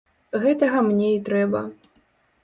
Гэтага мне і трэба.